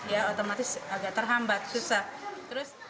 ya otomatis agak terhambat susah